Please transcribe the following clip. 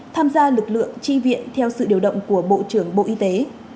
tham gia lực lượng tri viện theo sự điều động của bộ trưởng bộ y tế